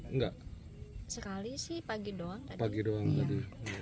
sekali sih pagi doang tadi